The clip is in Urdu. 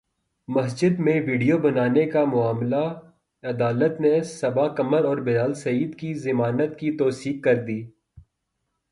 مسجد میں ویڈیو بنانے کا معاملہ عدالت نے صبا قمر اور بلال سعید کی ضمانت کی توثیق کردی